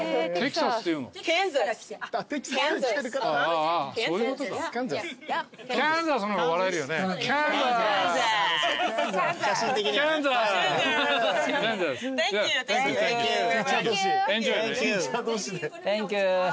サンキュー。